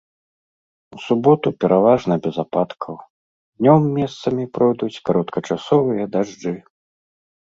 У суботу пераважна без ападкаў, днём месцамі пройдуць кароткачасовыя дажджы.